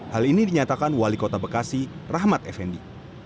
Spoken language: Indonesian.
hal ini dinyatakan wali kota bekasi rahmat effendi